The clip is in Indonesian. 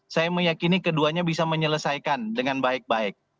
saya meyakini keduanya bisa menyelesaikan dengan baik baik